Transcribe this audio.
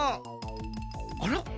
あら？